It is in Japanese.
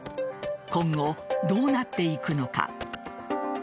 今後、どうなっていくのか。